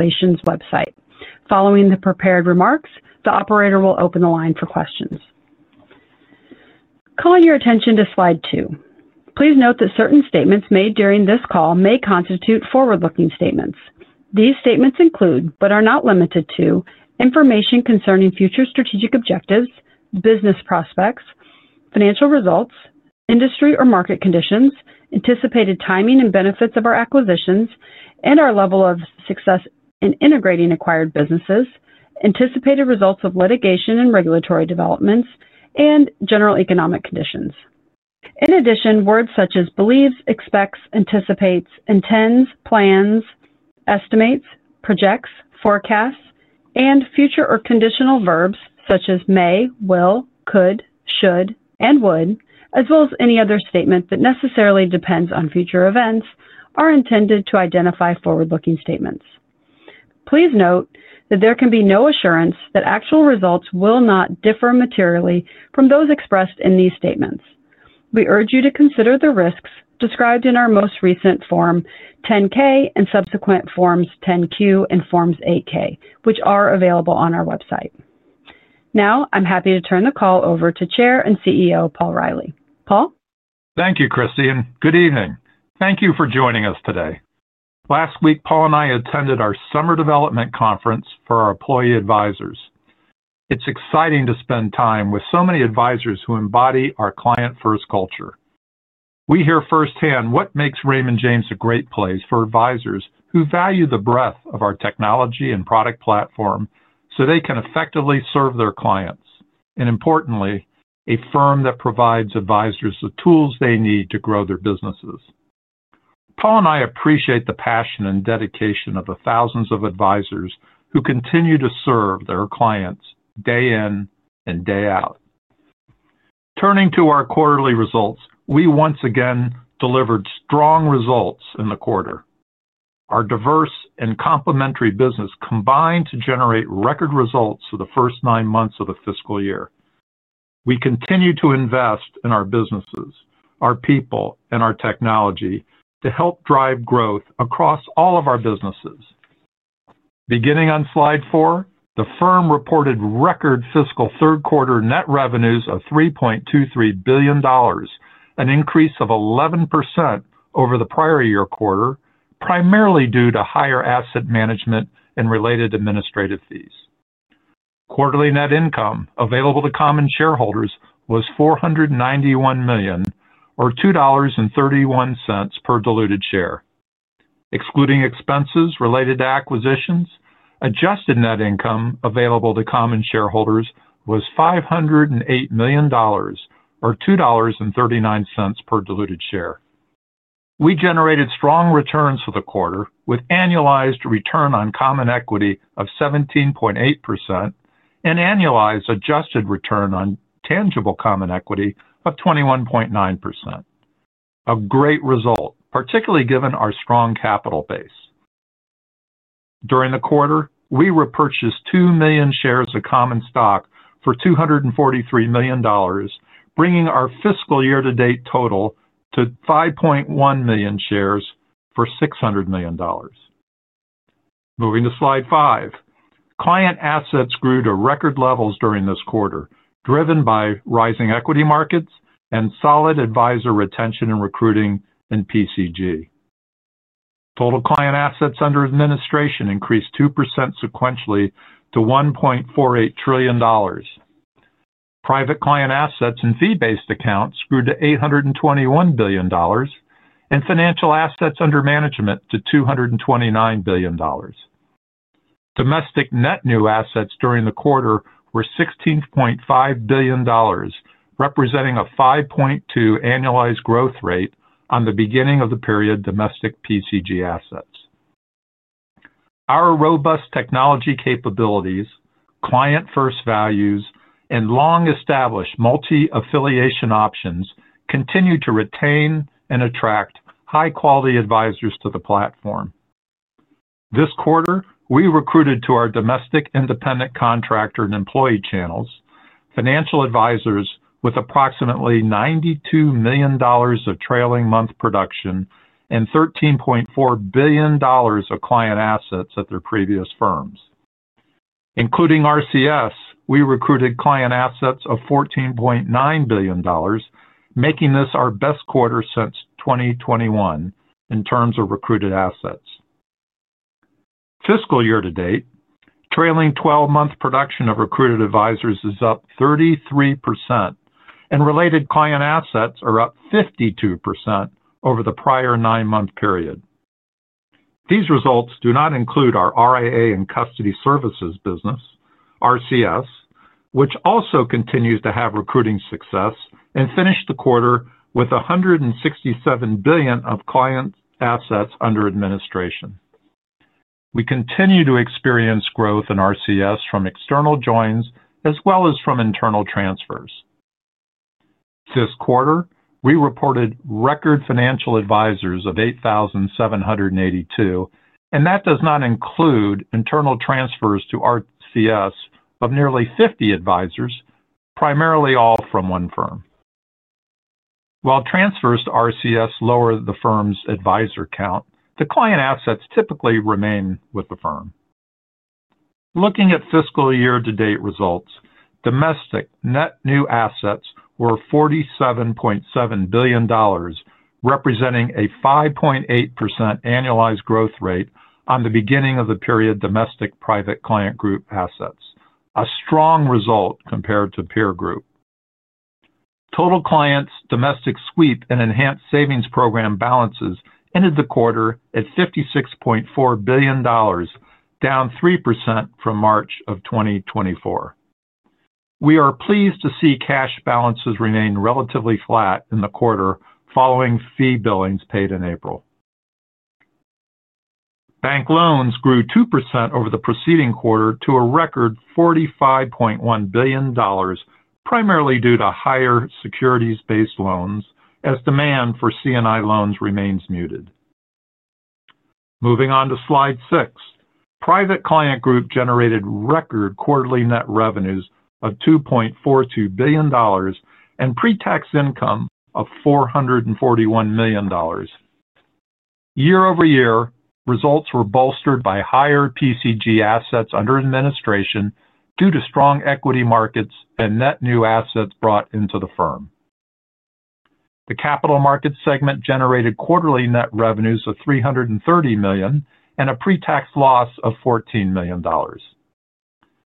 Relations website. Following the prepared remarks, the operator will open the line for questions. Calling your attention to slide two. Please note that certain statements made during this call may constitute forward-looking statements. These statements include, but are not limited to, information concerning future strategic objectives, business prospects, financial results, industry or market conditions, anticipated timing and benefits of our acquisitions, and our level of success in integrating acquired businesses, anticipated results of litigation and regulatory developments, and general economic conditions. In addition, words such as believes, expects, anticipates, intends, plans, estimates, projects, forecasts, and future or conditional verbs such as may, will, could, should, and would, as well as any other statement that necessarily depends on future events, are intended to identify forward-looking statements. Please note that there can be no assurance that actual results will not differ materially from those expressed in these statements. We urge you to consider the risks described in our most recent Form 10-K and subsequent Forms 10-Q and Forms 8-K, which are available on our website. Now, I'm happy to turn the call over to Chair and CEO Paul Reilly. Paul? Thank you, Kristine. Good evening. Thank you for joining us today. Last week, Paul and I attended our summer development conference for our employee advisors. It's exciting to spend time with so many advisors who embody our client-first culture. We hear firsthand what makes Raymond James a great place for advisors who value the breadth of our technology and product platform so they can effectively serve their clients, and importantly, a firm that provides advisors the tools they need to grow their businesses. Paul and I appreciate the passion and dedication of the thousands of advisors who continue to serve their clients day in and day out. Turning to our quarterly results, we once again delivered strong results in the quarter. Our diverse and complementary business combined to generate record results for the first nine months of the fiscal year. We continue to invest in our businesses, our people, and our technology to help drive growth across all of our businesses. Beginning on slide four, the firm reported record fiscal third quarter net revenues of $3.23 billion, an increase of 11% over the prior year quarter, primarily due to higher asset management and related administrative fees. Quarterly net income available to common shareholders was $491 million, or $2.31 per diluted share. Excluding expenses related to acquisitions, adjusted net income available to common shareholders was $508 million, or $2.39 per diluted share. We generated strong returns for the quarter with annualized return on common equity of 17.8% and annualized adjusted return on tangible common equity of 21.9%. A great result, particularly given our strong capital base. During the quarter, we repurchased 2 million shares of common stock for $243 million, bringing our fiscal year-to-date total to 5.1 million shares for $600 million. Moving to slide five, client assets grew to record levels during this quarter, driven by rising equity markets and solid advisor retention and recruiting in PCG. Total client assets under administration increased 2% sequentially to $1.48 trillion. Private client assets and fee-based accounts grew to $821 billion, and financial assets under management to $229 billion. Domestic net new assets during the quarter were $16.5 billion, representing a 5.2% annualized growth rate on the beginning of the period domestic PCG assets. Our robust technology capabilities, client-first values, and long-established multi-affiliation options continue to retain and attract high-quality advisors to the platform. This quarter, we recruited to our domestic independent contractor and employee channels financial advisors with approximately $92 million of trailing month production and $13.4 billion of client assets at their previous firms. Including RCS, we recruited client assets of $14.9 billion, making this our best quarter since 2021 in terms of recruited assets. Fiscal year-to-date, trailing 12-month production of recruited advisors is up 33%, and related client assets are up 52% over the prior nine-month period. These results do not include our RIA and custody services business, RCS, which also continues to have recruiting success and finished the quarter with $167 billion of client assets under administration. We continue to experience growth in RCS from external joins as well as from internal transfers. This quarter, we reported record financial advisors of 8,782, and that does not include internal transfers to RCS of nearly 50 advisors, primarily all from one firm. While transfers to RCS lower the firm's advisor count, the client assets typically remain with the firm. Looking at fiscal year-to-date results, domestic net new assets were $47.7 billion, representing a 5.8% annualized growth rate on the beginning of the period domestic Private Client Group assets, a strong result compared to peer group. Total clients' domestic sweep and Enhanced Savings Program balances ended the quarter at $56.4 billion, down 3% from March of 2024. We are pleased to see cash balances remain relatively flat in the quarter following fee billings paid in April. Bank loans grew 2% over the preceding quarter to a record $45.1 billion, primarily due to higher securities-based loans as demand for C&I loans remains muted. Moving on to slide six, Private Client Group generated record quarterly net revenues of $2.42 billion and pre-tax income of $441 million. Year-over-year, results were bolstered by higher PCG assets under administration due to strong equity markets and net new assets brought into the firm. The Capital Markets segment generated quarterly net revenues of $330 million and a pre-tax loss of $14 million.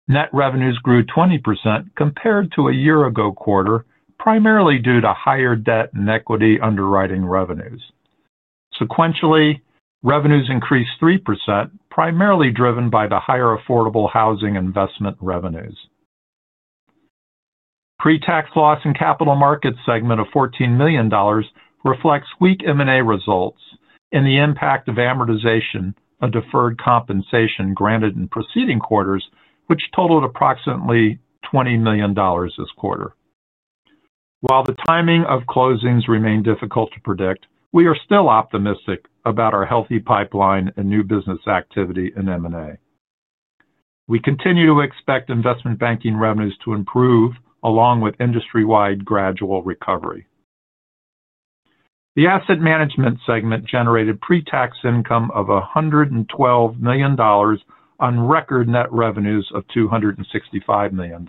Net revenues grew 20% compared to a year-ago quarter, primarily due to higher debt and equity underwriting revenues. Sequentially, revenues increased 3%, primarily driven by the higher affordable housing investment revenues. Pre-tax loss in Capital Markets segment of $14 million reflects weak M&A results and the impact of amortization of deferred compensation granted in preceding quarters, which totaled approximately $20 million this quarter. While the timing of closings remained difficult to predict, we are still optimistic about our healthy pipeline and new business activity in M&A. We continue to expect investment banking revenues to improve along with industry-wide gradual recovery. The asset management segment generated pre-tax income of $112 million on record net revenues of $265 million.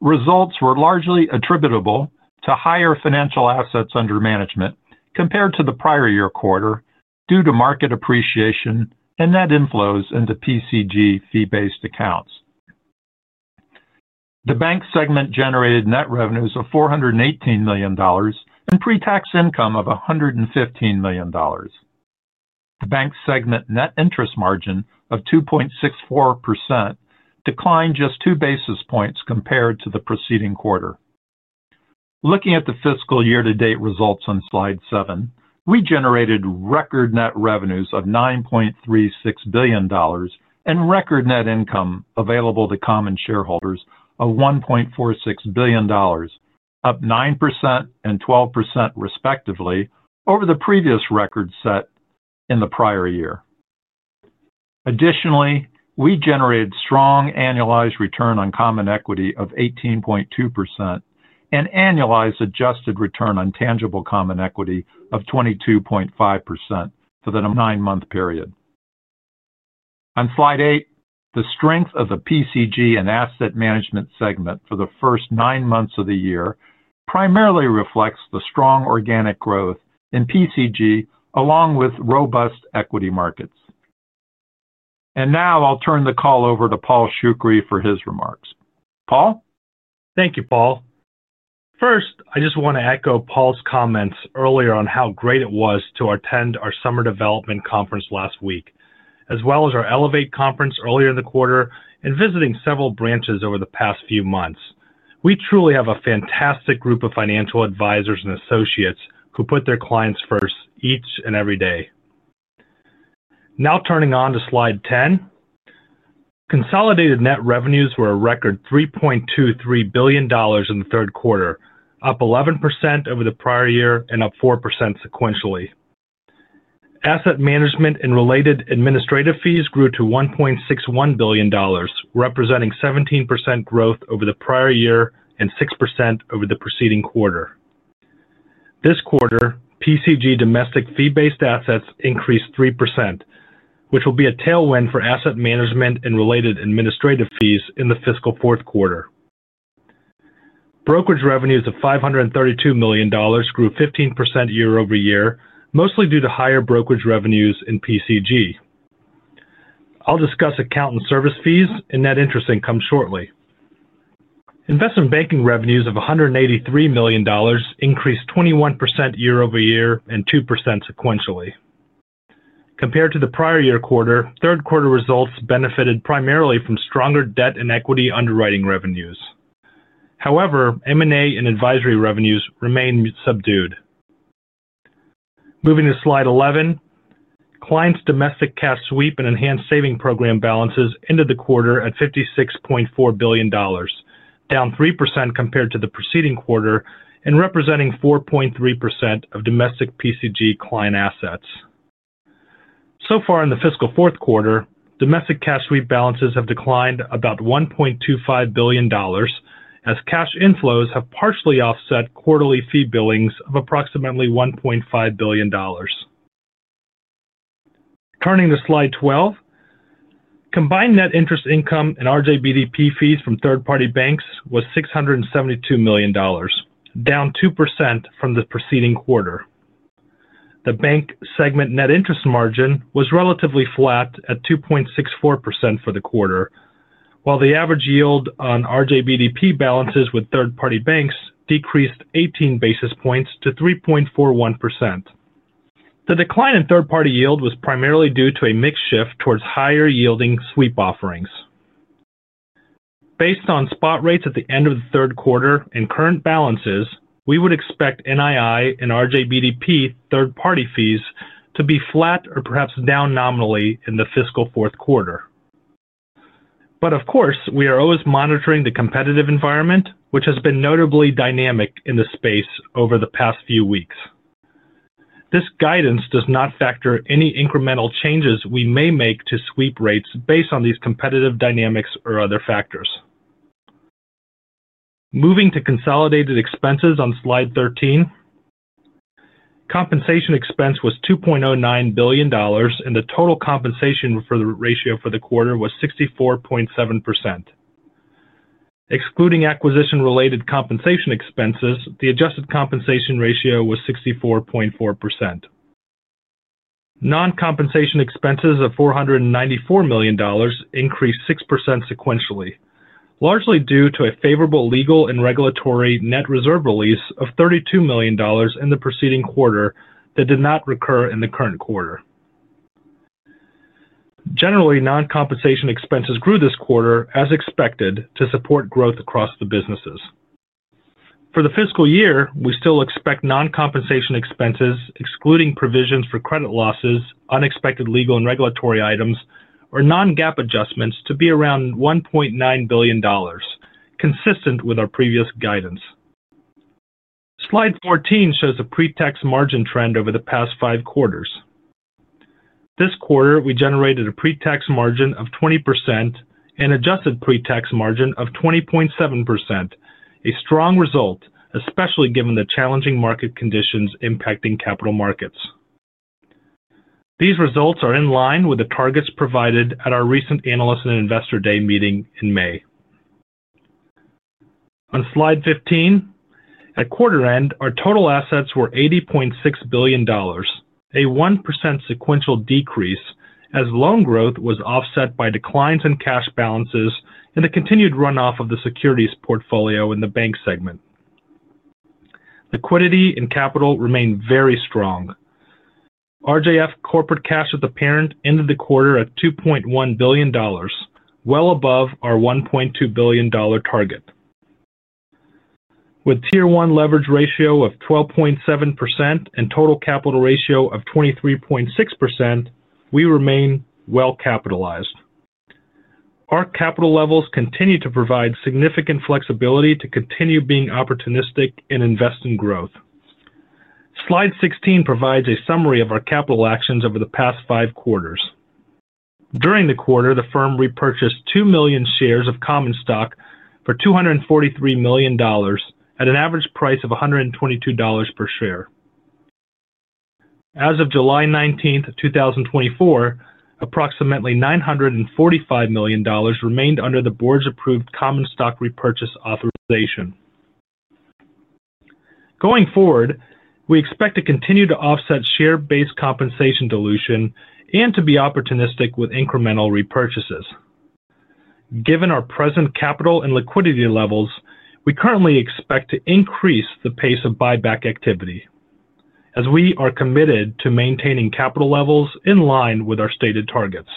Results were largely attributable to higher financial assets under management compared to the prior year quarter due to market appreciation and net inflows into PCG fee-based accounts. The bank segment generated net revenues of $418 million and pre-tax income of $115 million. The bank segment net interest margin of 2.64% declined just two basis points compared to the preceding quarter. Looking at the fiscal year-to-date results on slide seven, we generated record net revenues of $9.36 billion and record net income available to common shareholders of $1.46 billion, up 9% and 12% respectively over the previous record set in the prior year. Additionally, we generated strong annualized return on common equity of 18.2% and annualized adjusted return on tangible common equity of 22.5% for the nine-month period. On slide 8, the strength of the PCG and asset management segment for the first nine months of the year primarily reflects the strong organic growth in PCG along with robust equity markets. And now I'll turn the call over to Paul Shoukry for his remarks. Paul? Thank you, Paul. First, I just want to echo Paul's comments earlier on how great it was to attend our summer development conference last week, as well as our Elevate conference earlier in the quarter and visiting several branches over the past few months. We truly have a fantastic group of financial advisors and associates who put their clients first each and every day. Now turning on to slide 10, consolidated net revenues were a record $3.23 billion in the third quarter, up 11% over the prior year and up 4% sequentially. Asset management and related administrative fees grew to $1.61 billion, representing 17% growth over the prior year and 6% over the preceding quarter. This quarter, PCG domestic fee-based assets increased 3%, which will be a tailwind for asset management and related administrative fees in the fiscal fourth quarter. Brokerage revenues of $532 million grew 15% year-over-year, mostly due to higher brokerage revenues in PCG. I'll discuss account and service fees and net interest income shortly. Investment banking revenues of $183 million increased 21% year-over-year and 2% sequentially. Compared to the prior year quarter, third quarter results benefited primarily from stronger debt and equity underwriting revenues. However, M&A and advisory revenues remained subdued. Moving to slide 11, clients' domestic cash sweep and enhanced savings program balances ended the quarter at $56.4 billion, down 3% compared to the preceding quarter and representing 4.3% of domestic PCG client assets. So far in the fiscal fourth quarter, domestic cash sweep balances have declined about $1.25 billion as cash inflows have partially offset quarterly fee billings of approximately $1.5 billion. Turning to slide 12, combined net interest income and RJBDP fees from third-party banks was $672 million, down 2% from the preceding quarter. The bank segment net interest margin was relatively flat at 2.64% for the quarter, while the average yield on RJBDP balances with third-party banks decreased 18 basis points to 3.41%. The decline in third-party yield was primarily due to a mixed shift towards higher-yielding sweep offerings. Based on spot rates at the end of the third quarter and current balances, we would expect NII and RJBDP third-party fees to be flat or perhaps down nominally in the fiscal fourth quarter. But of course, we are always monitoring the competitive environment, which has been notably dynamic in the space over the past few weeks. This guidance does not factor any incremental changes we may make to sweep rates based on these competitive dynamics or other factors. Moving to consolidated expenses on slide 13, compensation expense was $2.09 billion, and the total compensation ratio for the quarter was 64.7%. Excluding acquisition-related compensation expenses, the adjusted compensation ratio was 64.4%. Non-compensation expenses of $494 million increased 6% sequentially, largely due to a favorable legal and regulatory net reserve release of $32 million in the preceding quarter that did not recur in the current quarter. Generally, non-compensation expenses grew this quarter as expected to support growth across the businesses. For the fiscal year, we still expect non-compensation expenses, excluding provisions for credit losses, unexpected legal and regulatory items, or non-GAAP adjustments to be around $1.9 billion, consistent with our previous guidance. Slide 14 shows a pre-tax margin trend over the past five quarters. This quarter, we generated a pre-tax margin of 20% and adjusted pre-tax margin of 20.7%, a strong result, especially given the challenging market conditions impacting capital markets. These results are in line with the targets provided at our recent analysts and investor day meeting in May. On slide 15, at quarter end, our total assets were $80.6 billion, a 1% sequential decrease as loan growth was offset by declines in cash balances and the continued runoff of the securities portfolio in the bank segment. Liquidity and capital remained very strong. RJF Corporate Cash at the parent ended the quarter at $2.1 billion, well above our $1.2 billion target. With Tier 1 leverage ratio of 12.7% and total capital ratio of 23.6%, we remain well capitalized. Our capital levels continue to provide significant flexibility to continue being opportunistic in investing growth. Slide 16 provides a summary of our capital actions over the past five quarters. During the quarter, the firm repurchased 2 million shares of common stock for $243 million at an average price of $122 per share. As of July 19th, 2024, approximately $945 million remained under the board's approved common stock repurchase authorization. Going forward, we expect to continue to offset share-based compensation dilution and to be opportunistic with incremental repurchases. Given our present capital and liquidity levels, we currently expect to increase the pace of buyback activity as we are committed to maintaining capital levels in line with our stated targets.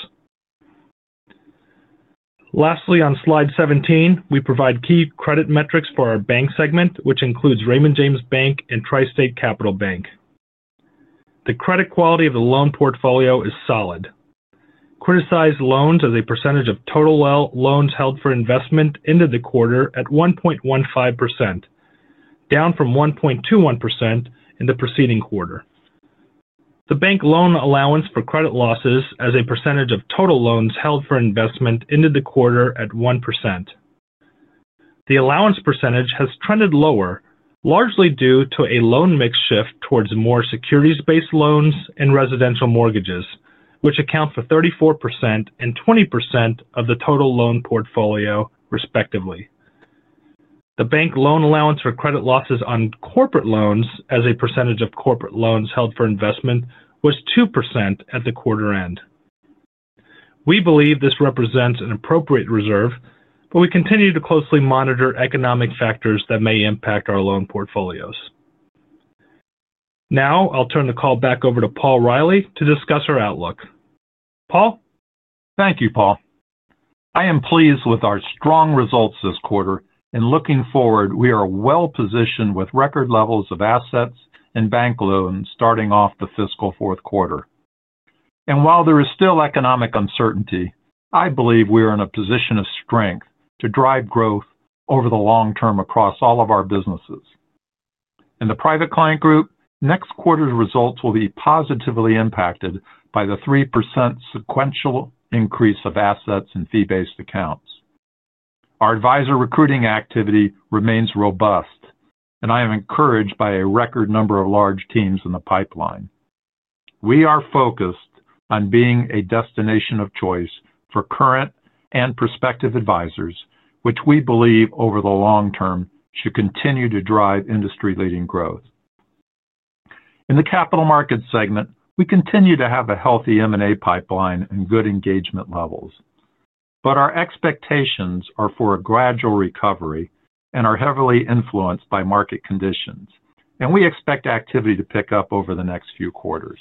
Lastly, on slide 17, we provide key credit metrics for our bank segment, which includes Raymond James Bank and TriState Capital Bank. The credit quality of the loan portfolio is solid. Criticized loans as a percentage of total loans held for investment ended the quarter at 1.15%, down from 1.21% in the preceding quarter. The bank loan allowance for credit losses as a percentage of total loans held for investment ended the quarter at 1%. The allowance percentage has trended lower, largely due to a loan mix shift towards more securities-based loans and residential mortgages, which account for 34% and 20% of the total loan portfolio, respectively. The bank loan allowance for credit losses on corporate loans as a percentage of corporate loans held for investment was 2% at the quarter end. We believe this represents an appropriate reserve, but we continue to closely monitor economic factors that may impact our loan portfolios. Now I'll turn the call back over to Paul Reilly to discuss our outlook. Paul? Thank you, Paul. I am pleased with our strong results this quarter, and looking forward, we are well positioned with record levels of assets and bank loans starting off the fiscal fourth quarter. And while there is still economic uncertainty, I believe we are in a position of strength to drive growth over the long term across all of our businesses. In the Private Client Group, next quarter's results will be positively impacted by the 3% sequential increase of assets in fee-based accounts. Our advisor recruiting activity remains robust, and I am encouraged by a record number of large teams in the pipeline. We are focused on being a destination of choice for current and prospective advisors, which we believe over the long term should continue to drive industry-leading growth. In the capital markets segment, we continue to have a healthy M&A pipeline and good engagement levels, but our expectations are for a gradual recovery and are heavily influenced by market conditions, and we expect activity to pick up over the next few quarters.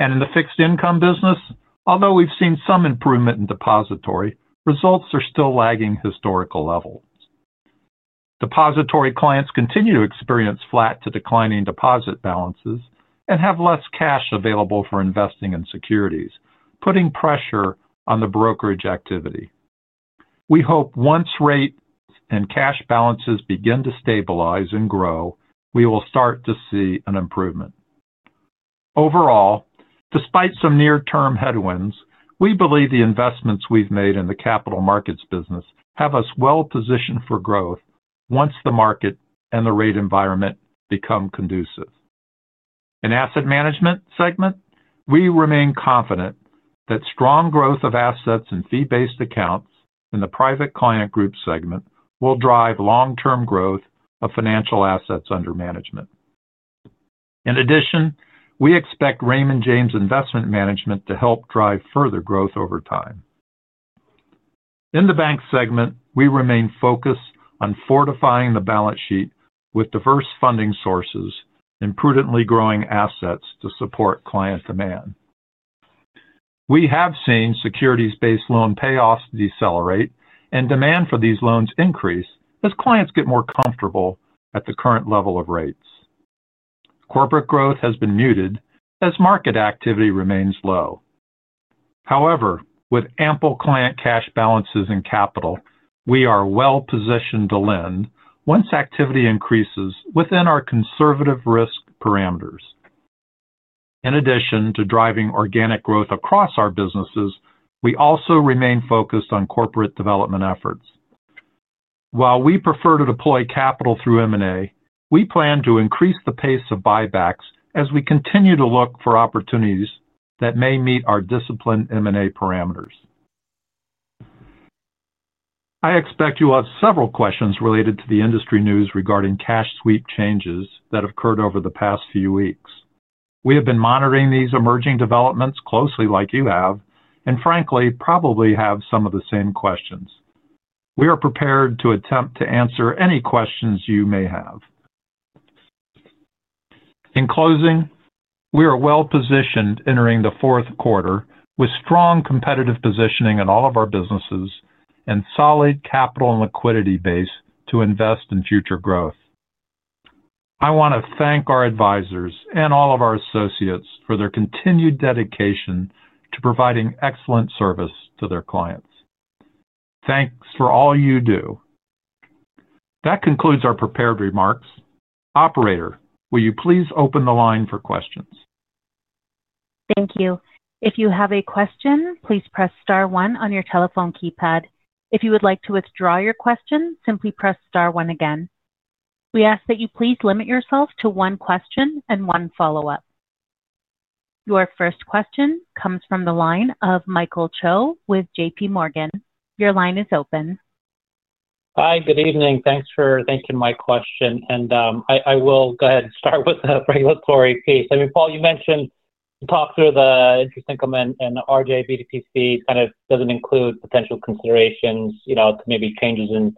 In the fixed income business, although we've seen some improvement in depository, results are still lagging historical levels. Depository clients continue to experience flat to declining deposit balances and have less cash available for investing in securities, putting pressure on the brokerage activity. We hope once rate and cash balances begin to stabilize and grow, we will start to see an improvement. Overall, despite some near-term headwinds, we believe the investments we've made in the capital markets business have us well positioned for growth once the market and the rate environment become conducive. In the Asset Management segment, we remain confident that strong growth of assets and fee-based accounts in the Private Client Group segment will drive long-term growth of financial assets under management. In addition, we expect Raymond James Investment Management to help drive further growth over time. In the bank segment, we remain focused on fortifying the balance sheet with diverse funding sources and prudently growing assets to support client demand. We have seen securities-based loan payoffs decelerate and demand for these loans increase as clients get more comfortable at the current level of rates. Corporate growth has been muted as market activity remains low. However, with ample client cash balances and capital, we are well positioned to lend once activity increases within our conservative risk parameters. In addition to driving organic growth across our businesses, we also remain focused on corporate development efforts. While we prefer to deploy capital through M&A, we plan to increase the pace of buybacks as we continue to look for opportunities that may meet our disciplined M&A parameters. I expect you will have several questions related to the industry news regarding cash sweep changes that have occurred over the past few weeks. We have been monitoring these emerging developments closely like you have, and frankly, probably have some of the same questions. We are prepared to attempt to answer any questions you may have. In closing, we are well positioned entering the fourth quarter with strong competitive positioning in all of our businesses and solid capital and liquidity base to invest in future growth. I want to thank our advisors and all of our associates for their continued dedication to providing excellent service to their clients. Thanks for all you do. That concludes our prepared remarks. Operator, will you please open the line for questions? Thank you. If you have a question, please press star one on your telephone keypad. If you would like to withdraw your question, simply press star one again. We ask that you please limit yourself to one question and one follow-up. Your first question comes from the line of Michael Cho with J.P. Morgan. Your line is open. Hi, good evening. Thanks for taking my question. I will go ahead and start with the regulatory piece. I mean, Paul, you mentioned you talked through the interest income and RJBDP fee kind of doesn't include potential considerations to maybe changes in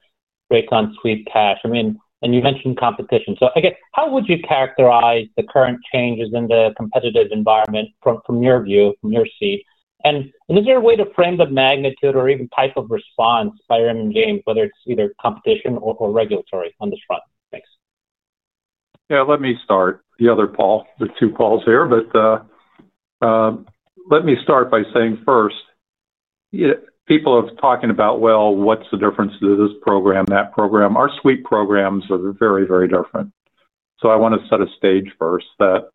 rates on sweep cash. I mean, and you mentioned competition. So I guess, how would you characterize the current changes in the competitive environment from your view, from your seat? And is there a way to frame the magnitude or even type of response by Raymond James, whether it's either competition or regulatory on this front? Thanks. Yeah, let me start. The other Paul, the two Pauls here, but let me start by saying first, people are talking about, well, what's the difference to this program, that program? Our sweep programs are very, very different. So I want to set a stage first that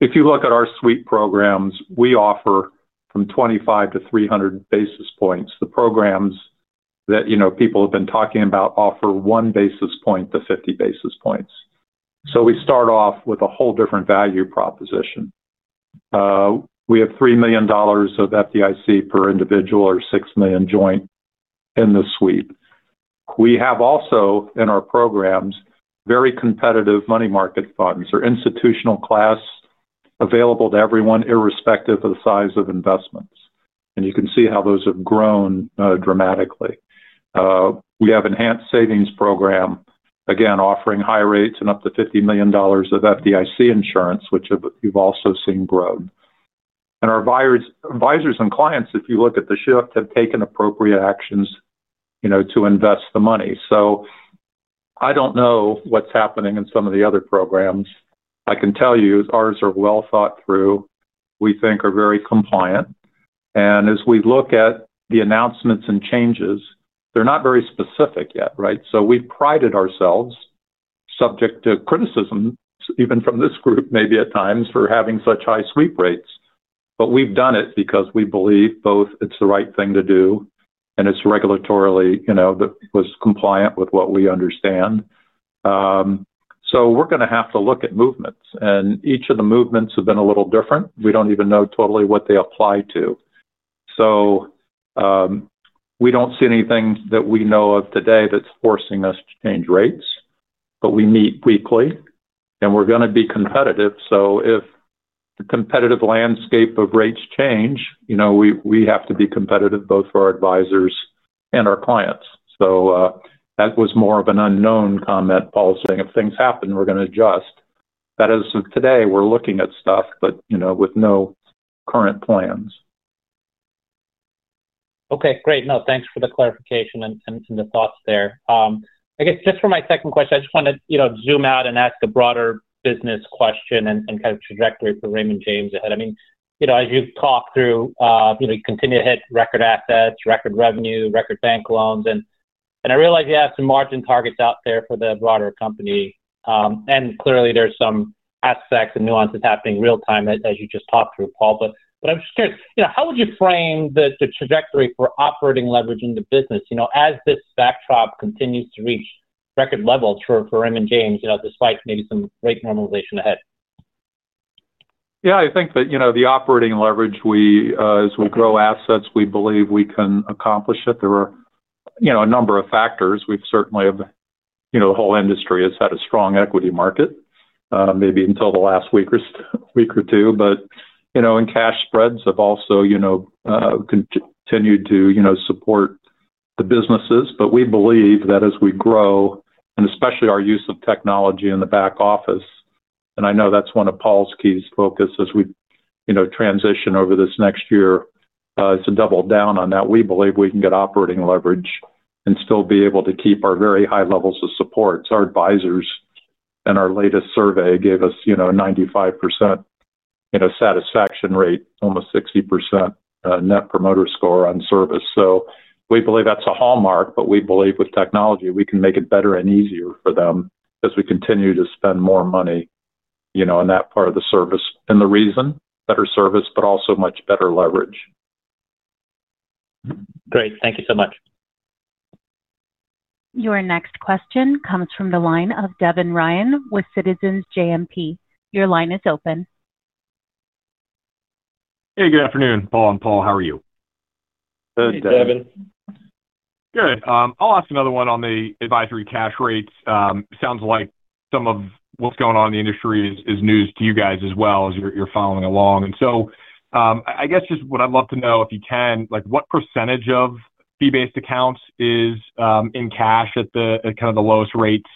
if you look at our sweep programs, we offer 25-300 basis points. The programs that people have been talking about offer 1 basis point to 50 basis points. So we start off with a whole different value proposition. We have $3 million of FDIC per individual or $6 million joint in the sweep. We have also in our programs very competitive money market funds or institutional class available to everyone, irrespective of the size of investments. And you can see how those have grown dramatically. We have an Enhanced Savings Program, again, offering high rates and up to $50 million of FDIC insurance, which you've also seen grow. And our advisors and clients, if you look at the shift, have taken appropriate actions to invest the money. So I don't know what's happening in some of the other programs. I can tell you ours are well thought through. We think are very compliant. And as we look at the announcements and changes, they're not very specific yet, right? So we've prided ourselves, subject to criticism even from this group maybe at times for having such high sweep rates. But we've done it because we believe both it's the right thing to do and it's regulatorily compliant with what we understand. So we're going to have to look at movements. And each of the movements have been a little different. We don't even know totally what they apply to. So we don't see anything that we know of today that's forcing us to change rates, but we meet weekly and we're going to be competitive. So if the competitive landscape of rates change, we have to be competitive both for our advisors and our clients. So that was more of an unknown comment, Paul, saying if things happen, we're going to adjust. That is today we're looking at stuff, but with no current plans. Okay, great. No, thanks for the clarification and the thoughts there. I guess just for my second question, I just want to zoom out and ask a broader business question and kind of trajectory for Raymond James ahead. I mean, as you talk through, you continue to hit record assets, record revenue, record bank loans. I realize you have some margin targets out there for the broader company. And clearly there's some aspects and nuances happening real time as you just talked through, Paul. But I'm just curious, how would you frame the trajectory for operating leverage in the business as this backdrop continues to reach record levels for Raymond James, despite maybe some rate normalization ahead? Yeah, I think that the operating leverage, as we grow assets, we believe we can accomplish it. There are a number of factors. We've certainly had. The whole industry has had a strong equity market, maybe until the last week or two. But cash spreads have also continued to support the businesses. But we believe that as we grow, and especially our use of technology in the back office, and I know that's one of Paul's key focus as we transition over this next year to double down on that, we believe we can get operating leverage and still be able to keep our very high levels of support. Our advisors and our latest survey gave us a 95% satisfaction rate, almost 60% net promoter score on service. So we believe that's a hallmark, but we believe with technology we can make it better and easier for them as we continue to spend more money on that part of the service. And the reason, better service, but also much better leverage. Great. Thank you so much. Your next question comes from the line of Devin Ryan with Citizens JMP. Your line is open. Hey, good afternoon, Paul. I'm Paul. How are you? Good, Devin. Good. I'll ask another one on the advisory cash rates. Sounds like some of what's going on in the industry is news to you guys as well as you're following along. And so I guess just what I'd love to know if you can, what percentage of fee-based accounts is in cash at kind of the lowest rates?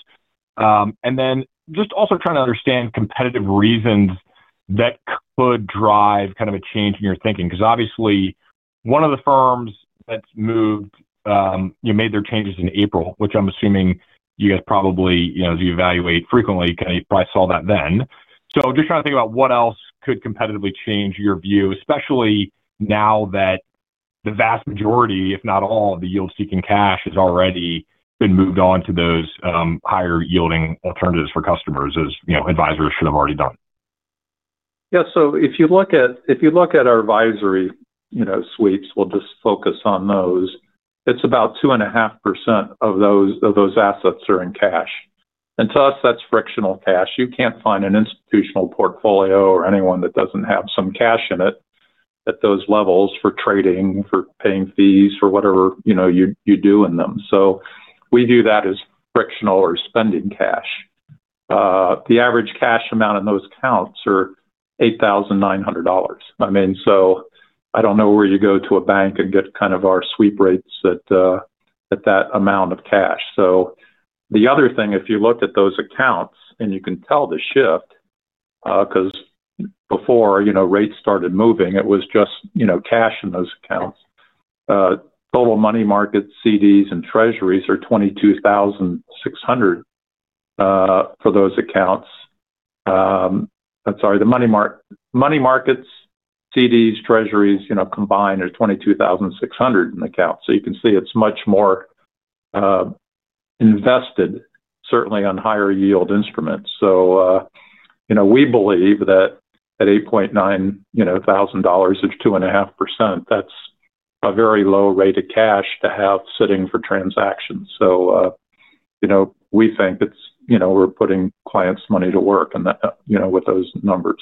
Then just also trying to understand competitive reasons that could drive kind of a change in your thinking. Because obviously one of the firms that's moved made their changes in April, which I'm assuming you guys probably evaluate frequently, you probably saw that then. So just trying to think about what else could competitively change your view, especially now that the vast majority, if not all, of the yield-seeking cash has already been moved on to those higher yielding alternatives for customers as advisors should have already done. Yeah. So if you look at our advisory sweeps, we'll just focus on those, it's about 2.5% of those assets are in cash. And to us, that's frictional cash. You can't find an institutional portfolio or anyone that doesn't have some cash in it at those levels for trading, for paying fees, for whatever you do in them. So we view that as frictional or spending cash. The average cash amount in those accounts are $8,900. I mean, so I don't know where you go to a bank and get kind of our sweep rates at that amount of cash. So the other thing, if you look at those accounts and you can tell the shift, because before rates started moving, it was just cash in those accounts. Total money markets, CDs, and treasuries are $22,600 for those accounts. I'm sorry, the money markets, CDs, treasuries combined are $22,600 in the accounts. So you can see it's much more invested, certainly on higher yield instruments. So we believe that at $8,900, there's 2.5%. That's a very low rate of cash to have sitting for transactions. So we think we're putting clients' money to work with those numbers.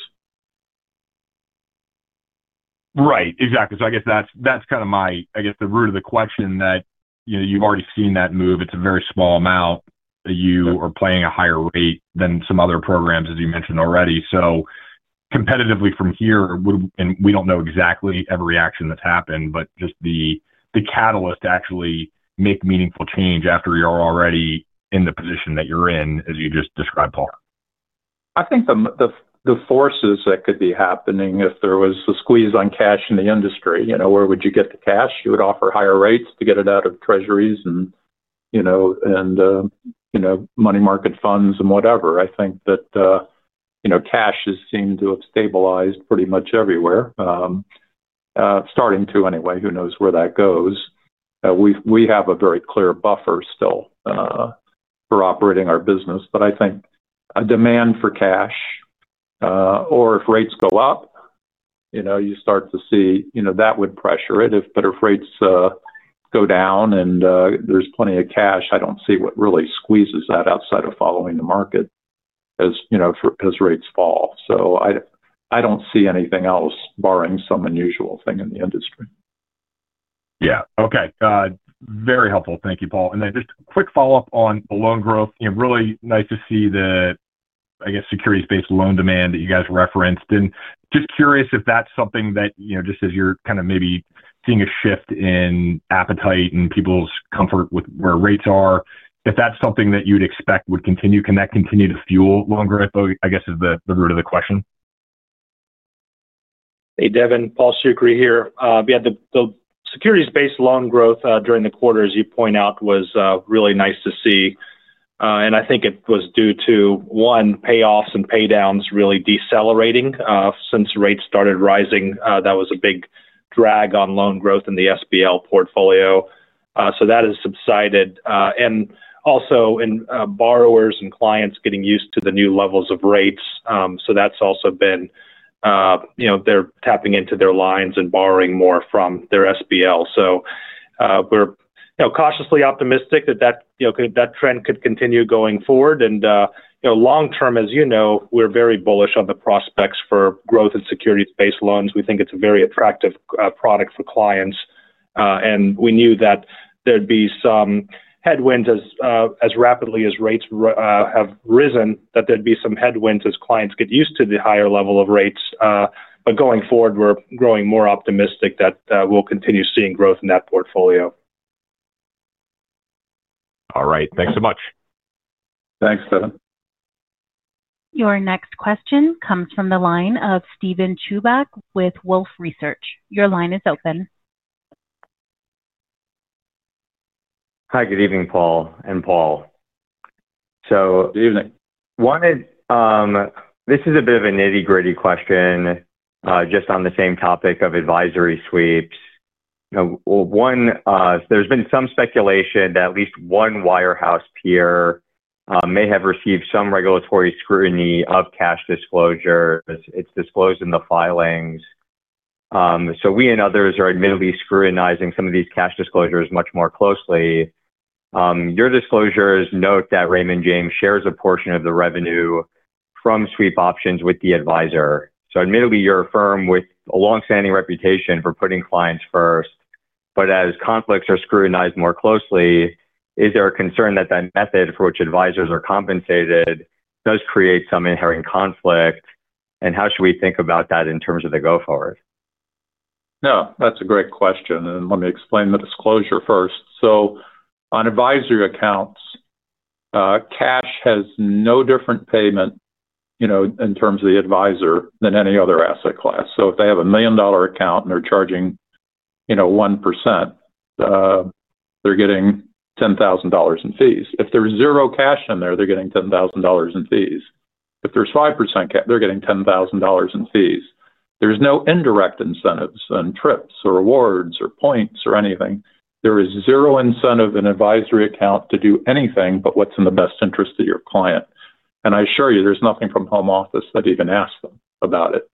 Right. Exactly. So I guess that's kind of my, I guess, the root of the question that you've already seen that move. It's a very small amount that you are paying a higher rate than some other programs, as you mentioned already. So competitively from here, and we don't know exactly every action that's happened, but just the catalyst to actually make meaningful change after you're already in the position that you're in, as you just described, Paul. I think the forces that could be happening if there was a squeeze on cash in the industry, where would you get the cash? You would offer higher rates to get it out of treasuries and money market funds and whatever. I think that cash has seemed to have stabilized pretty much everywhere, starting to anyway. Who knows where that goes? We have a very clear buffer still for operating our business. But I think a demand for cash, or if rates go up, you start to see that would pressure it. But if rates go down and there's plenty of cash, I don't see what really squeezes that outside of following the market as rates fall. So I don't see anything else, barring some unusual thing in the industry. Yeah. Okay. Very helpful. Thank you, Paul. And then just a quick follow-up on the loan growth. Really nice to see the, I guess, securities-based loan demand that you guys referenced. And just curious if that's something that, just as you're kind of maybe seeing a shift in appetite and people's comfort with where rates are, if that's something that you'd expect would continue, can that continue to fuel loan growth, I guess, is the root of the question? Hey, Devin, Paul Shoukry here. Yeah, the securities-based loan growth during the quarter, as you point out, was really nice to see. And I think it was due to, one, payoffs and paydowns really decelerating since rates started rising. That was a big drag on loan growth in the SBL portfolio. So that has subsided. And also in borrowers and clients getting used to the new levels of rates. So that's also been. They're tapping into their lines and borrowing more from their SBL. So we're cautiously optimistic that that trend could continue going forward. And long term, as you know, we're very bullish on the prospects for growth in securities-based loans. We think it's a very attractive product for clients. We knew that there'd be some headwinds as rapidly as rates have risen, that there'd be some headwinds as clients get used to the higher level of rates. But going forward, we're growing more optimistic that we'll continue seeing growth in that portfolio. All right. Thanks so much. Thanks, Devin. Your next question comes from the line of Steven Chubak with Wolfe Research. Your line is open. Hi, good evening, Paul and Paul. So this is a bit of a nitty-gritty question just on the same topic of advisory sweeps. One, there's been some speculation that at least one wirehouse peer may have received some regulatory scrutiny of cash disclosure. It's disclosed in the filings. So we and others are admittedly scrutinizing some of these cash disclosures much more closely. Your disclosures note that Raymond James shares a portion of the revenue from sweep options with the advisor. So admittedly, you're a firm with a long-standing reputation for putting clients first. But as conflicts are scrutinized more closely, is there a concern that that method for which advisors are compensated does create some inherent conflict? And how should we think about that in terms of the go-forward? No, that's a great question. Let me explain the disclosure first. So on advisory accounts, cash has no different payment in terms of the advisor than any other asset class. So if they have a $1 million account and they're charging 1%, they're getting $10,000 in fees. If there's 0 cash in there, they're getting $10,000 in fees. If there's 5%, they're getting $10,000 in fees. There's no indirect incentives and trips or awards or points or anything. There is 0 incentive in advisory account to do anything but what's in the best interest of your client. And I assure you, there's nothing from home office that even asks them about it.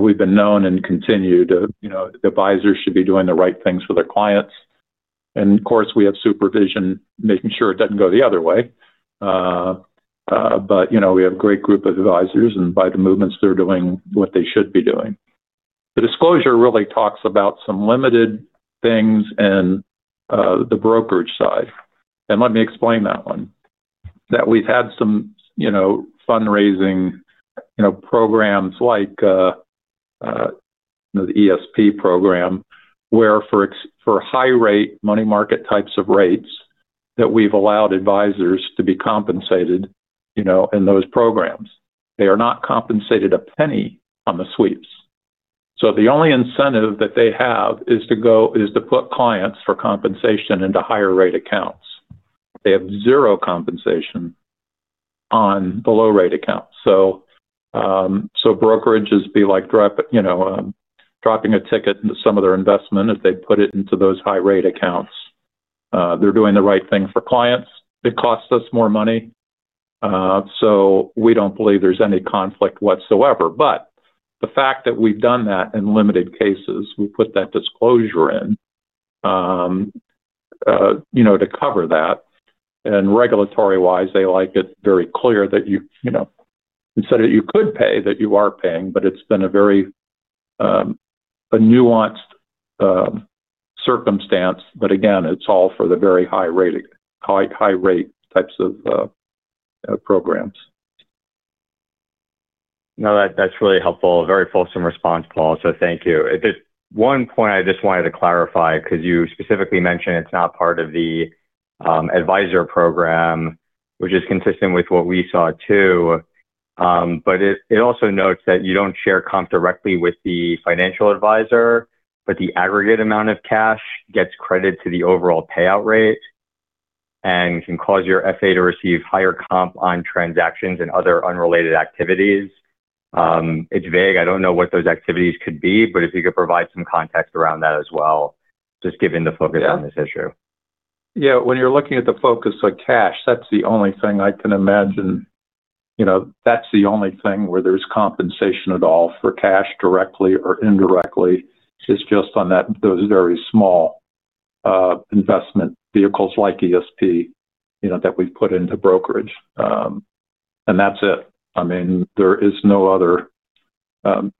We've been known and continue to advisors should be doing the right things for their clients. And of course, we have supervision making sure it doesn't go the other way. But we have a great group of advisors, and by the movements, they're doing what they should be doing. The disclosure really talks about some limited things in the brokerage side. And let me explain that one. That we've had some fundraising programs like the ESP program, where for high-rate money market types of rates that we've allowed advisors to be compensated in those programs, they are not compensated a penny on the sweeps. So the only incentive that they have is to put clients for compensation into higher-rate accounts. They have zero compensation on the low-rate accounts. So brokerage is like dropping a ticket into some of their investment if they put it into those high-rate accounts. They're doing the right thing for clients. It costs us more money. So we don't believe there's any conflict whatsoever. But the fact that we've done that in limited cases, we put that disclosure in to cover that. And regulatory-wise, they like it very clear that you said that you could pay that you are paying, but it's been a very nuanced circumstance. But again, it's all for the very high-rate types of programs. No, that's really helpful. Very fulsome response, Paul. So thank you. One point I just wanted to clarify because you specifically mentioned it's not part of the advisor program, which is consistent with what we saw too. But it also notes that you don't share comp directly with the financial advisor, but the aggregate amount of cash gets credited to the overall payout rate and can cause your FA to receive higher comp on transactions and other unrelated activities. It's vague. I don't know what those activities could be, but if you could provide some context around that as well, just given the focus on this issue. Yeah. When you're looking at the focus on cash, that's the only thing I can imagine. That's the only thing where there's compensation at all for cash directly or indirectly. It's just on those very small investment vehicles like ESP that we've put into brokerage. That's it. I mean, there is no other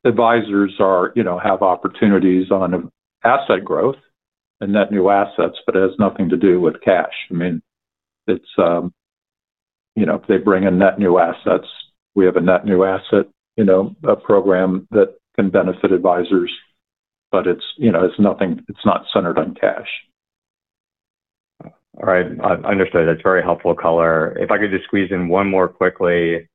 advisors have opportunities on asset growth and net new assets, but it has nothing to do with cash. I mean, if they bring in net new assets, we have a net new asset program that can benefit advisors. But it's not centered on cash. All right. I understood. That's very helpful, color. If I could just squeeze in one more quickly,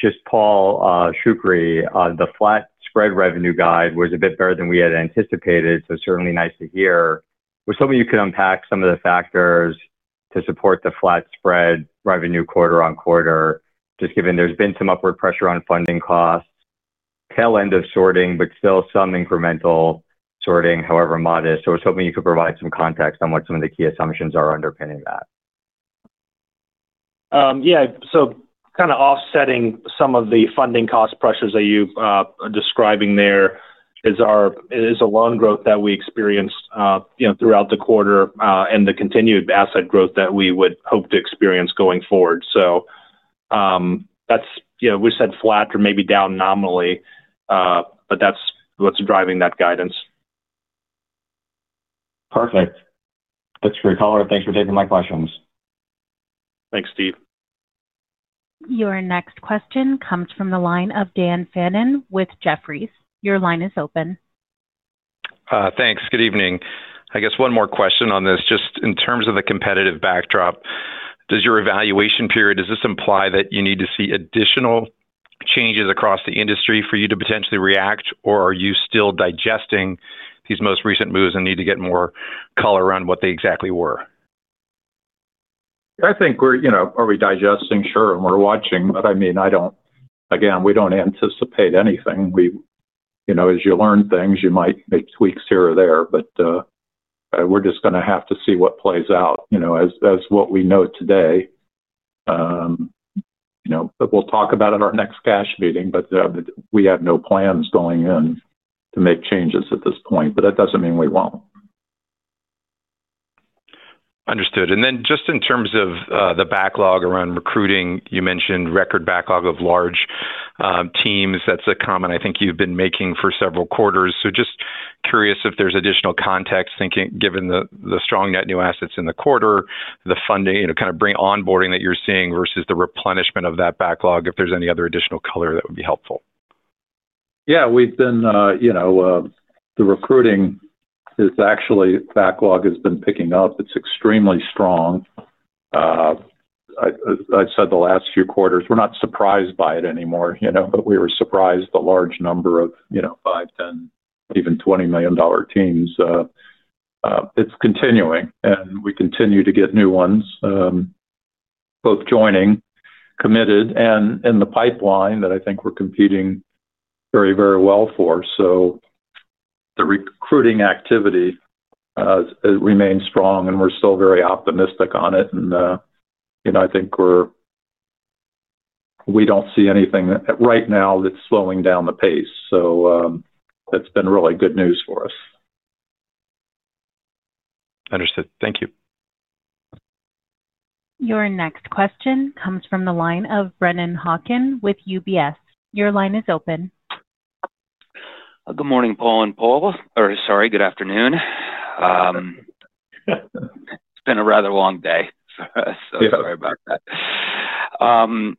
just Paul Shoukry, the flat spread revenue guide was a bit better than we had anticipated. So certainly nice to hear. Was hoping you could unpack some of the factors to support the flat spread revenue quarter-over-quarter, just given there's been some upward pressure on funding costs, tail end of sorting, but still some incremental sorting, however modest. So I was hoping you could provide some context on what some of the key assumptions are underpinning that. Yeah. So kind of offsetting some of the funding cost pressures that you're describing there is a loan growth that we experienced throughout the quarter and the continued asset growth that we would hope to experience going forward. So we said flat or maybe down nominally, but that's what's driving that guidance. Perfect. That's great, color. Thanks for taking my questions. Thanks, Steve. Your next question comes from the line of Dan Fannon with Jefferies. Your line is open. Thanks. Good evening. I guess one more question on this. Just in terms of the competitive backdrop, does your evaluation period, does this imply that you need to see additional changes across the industry for you to potentially react, or are you still digesting these most recent moves and need to get more color on what they exactly were? I think we're digesting, sure, and we're watching. But I mean, again, we don't anticipate anything. As you learn things, you might make tweaks here or there. But we're just going to have to see what plays out as what we know today. But we'll talk about it at our next cash meeting. But we have no plans going in to make changes at this point. But that doesn't mean we won't. Understood. Then just in terms of the backlog around recruiting, you mentioned record backlog of large teams. That's a comment I think you've been making for several quarters. Just curious if there's additional context, given the strong net new assets in the quarter, the funding, kind of onboarding that you're seeing versus the replenishment of that backlog, if there's any other additional color that would be helpful? Yeah. We've been the recruiting is actually backlog has been picking up. It's extremely strong. I said the last few quarters, we're not surprised by it anymore. But we were surprised the large number of 5, 10, even $20 million teams. It's continuing. We continue to get new ones, both joining, committed, and in the pipeline that I think we're competing very, very well for. So the recruiting activity remains strong, and we're still very optimistic on it. And I think we don't see anything right now that's slowing down the pace. So that's been really good news for us. Understood. Thank you. Your next question comes from the line of Brennan Hawken with UBS. Your line is open. Good morning, Paul and Paul. Or sorry, good afternoon. It's been a rather long day for us. So sorry about that. I'm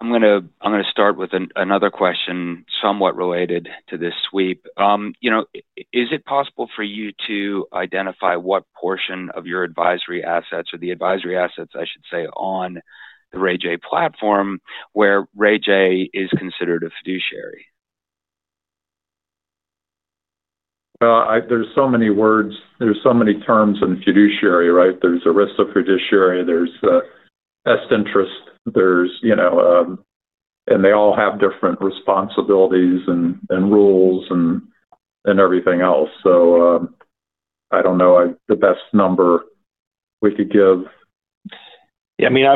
going to start with another question somewhat related to this sweep. Is it possible for you to identify what portion of your advisory assets or the advisory assets, I should say, on the RJ platform where RJ is considered a fiduciary? Well, there's so many words. There's so many terms in fiduciary, right? There's a risk of fiduciary. There's best interest. And they all have different responsibilities and rules and everything else. So I don't know the best number we could give. Yeah. I mean,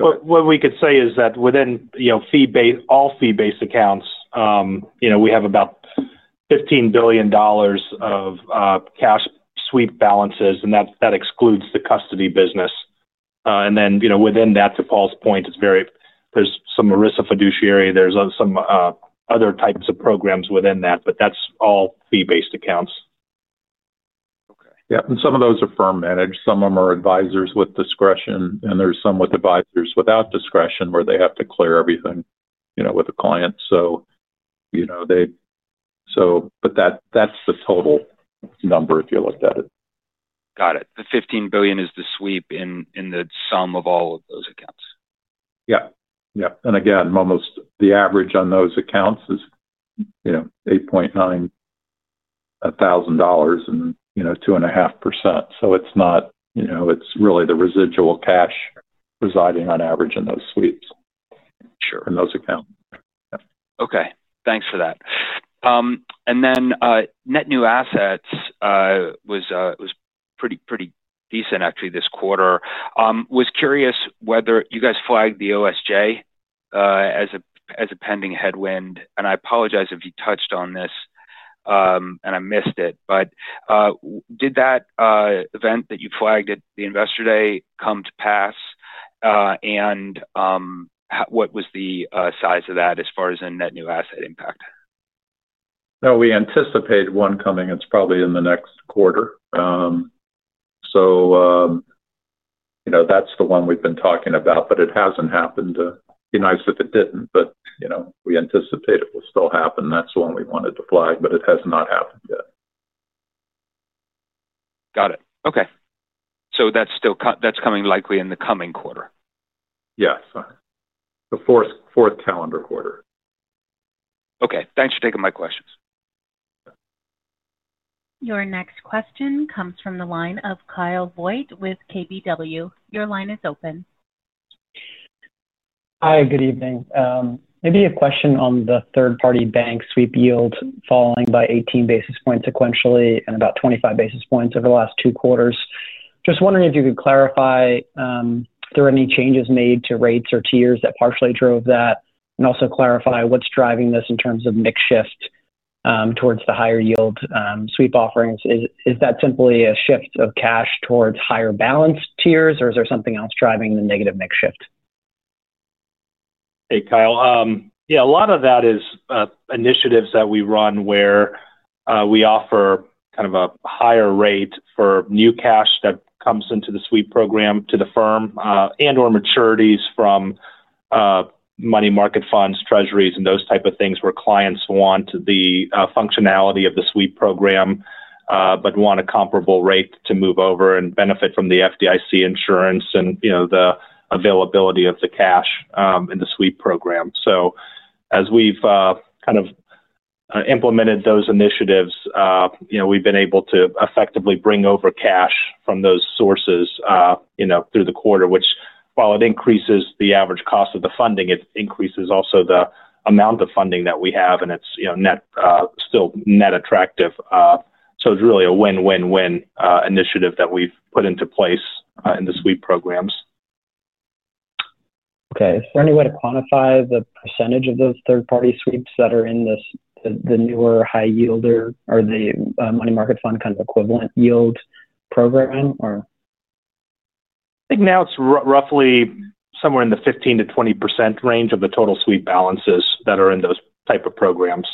what we could say is that within all fee-based accounts, we have about $15 billion of cash sweep balances. And that excludes the custody business. And then within that, to Paul's point, there's some ERISA fiduciary. There's some other types of programs within that. But that's all fee-based accounts. Yeah. Some of those are firm-managed. Some of them are advisors with discretion. There's some with advisors without discretion where they have to clear everything with the client. That's the total number if you looked at it. Got it. The $15 billion is the sweep in the sum of all of those accounts. Yeah. Yeah. And again, almost the average on those accounts is $8.9 thousand and 2.5%. So it's really the residual cash residing on average in those sweeps in those accounts. Sure. Okay. Thanks for that. And then net new assets was pretty decent, actually, this quarter. Was curious whether you guys flagged the OSJ as a pending headwind? And I apologize if you touched on this and I missed it. But did that event that you flagged at the investor day come to pass? And what was the size of that as far as a net new asset impact? No, we anticipate one coming. It's probably in the next quarter. So that's the one we've been talking about. But it hasn't happened. It'd be nice if it didn't. But we anticipate it will still happen. That's the one we wanted to flag, but it has not happened yet. Got it. Okay. So that's coming likely in the coming quarter? Yes. The fourth calendar quarter. Okay. Thanks for taking my questions. Your next question comes from the line of Kyle Voigt with KBW. Your line is open. Hi. Good evening. Maybe a question on the third-party bank sweep yield falling by 18 basis points sequentially and about 25 basis points over the last 2 quarters. Just wondering if you could clarify if there are any changes made to rates or tiers that partially drove that. Also clarify what's driving this in terms of mix shift towards the higher yield sweep offerings. Is that simply a shift of cash towards higher balance tiers, or is there something else driving the negative mix shift? Hey, Kyle. Yeah. A lot of that is initiatives that we run where we offer kind of a higher rate for new cash that comes into the sweep program to the firm and/or maturities from money market funds, treasuries, and those type of things where clients want the functionality of the sweep program but want a comparable rate to move over and benefit from the FDIC insurance and the availability of the cash in the sweep program. So as we've kind of implemented those initiatives, we've been able to effectively bring over cash from those sources through the quarter, which, while it increases the average cost of the funding, it increases also the amount of funding that we have. And it's still net attractive. So it's really a win-win-win initiative that we've put into place in the sweep programs. Okay. Is there any way to quantify the percentage of those third-party sweeps that are in the newer high-yield or the money market fund kind of equivalent yield program, or? I think now it's roughly somewhere in the 15%-20% range of the total sweep balances that are in those type of programs.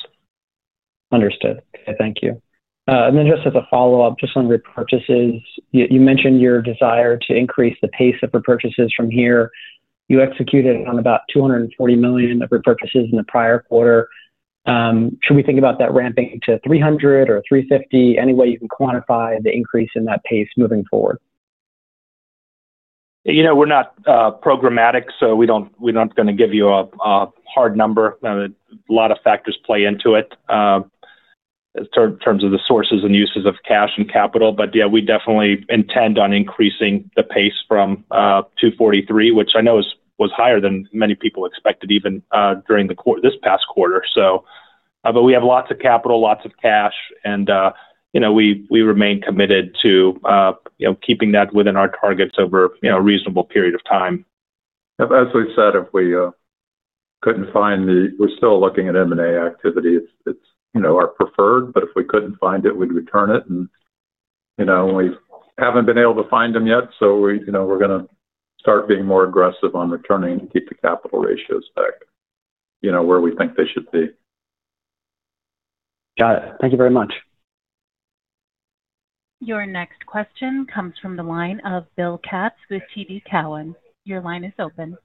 Understood. Okay. Thank you. And then just as a follow-up, just on repurchases, you mentioned your desire to increase the pace of repurchases from here. You executed on about $240 million of repurchases in the prior quarter. Should we think about that ramping to $300 million or $350 million? Any way you can quantify the increase in that pace moving forward? We're not programmatic, so we're not going to give you a hard number. A lot of factors play into it in terms of the sources and uses of cash and capital. But yeah, we definitely intend on increasing the pace from 243, which I know was higher than many people expected even during this past quarter. But we have lots of capital, lots of cash. And we remain committed to keeping that within our targets over a reasonable period of time. As we said, if we couldn't find, we're still looking at M&A activity. It's our preferred. But if we couldn't find it, we'd return it. We haven't been able to find them yet. So we're going to start being more aggressive on returning to keep the capital ratios back where we think they should be. Got it. Thank you very much. Your next question comes from the line of Bill Katz with TD Cowen. Your line is open.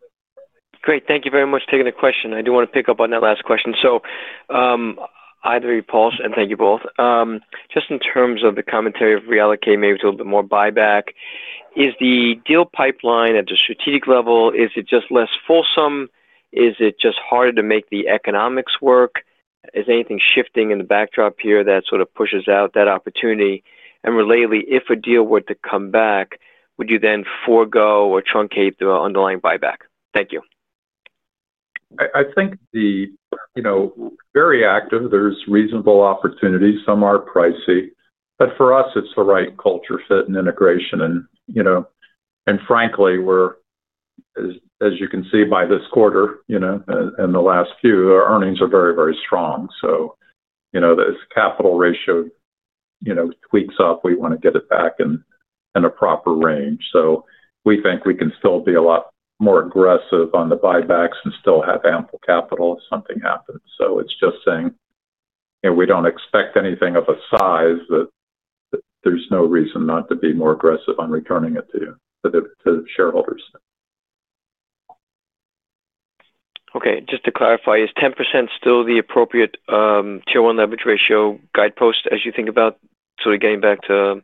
Great. Thank you very much for taking the question. I do want to pick up on that last question. So either you, Paul, and thank you both. Just in terms of the commentary of reallocate, maybe it's a little bit more buyback. Is the deal pipeline at the strategic level, is it just less fulsome? Is it just harder to make the economics work? Is anything shifting in the backdrop here that sort of pushes out that opportunity? And relatedly, if a deal were to come back, would you then forego or truncate the underlying buyback? Thank you. I think the very active. There's reasonable opportunity. Some are pricey. But for us, it's the right culture fit and integration. And frankly, as you can see by this quarter and the last few, our earnings are very, very strong. So as capital ratio tweaks up, we want to get it back in a proper range. So we think we can still be a lot more aggressive on the buybacks and still have ample capital if something happens. So it's just saying we don't expect anything of a size that there's no reason not to be more aggressive on returning it to shareholders. Okay. Just to clarify, is 10% still the appropriate Tier 1 Leverage Ratio guidepost as you think about sort of getting back to